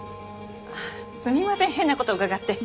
すみません変なこと伺って。